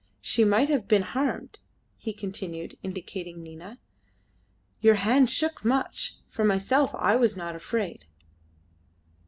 She might have been harmed," he continued, indicating Nina. "Your hand shook much; for myself I was not afraid."